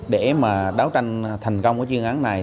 để mà đáo tranh thành công chuyên án này